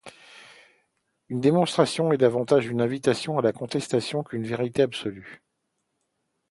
Une démonstration est davantage une invitation à la contestation qu'une vérité absolue.